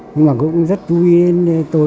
nhưng mà cũng rất chú ý đến tôi